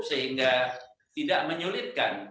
sehingga tidak menyulitkan